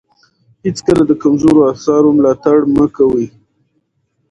هېڅکله د کمزورو اثارو ملاتړ مه کوئ.